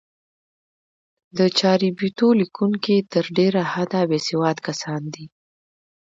د چاربیتو لیکوونکي تر ډېره حده، بېسواد کسان دي.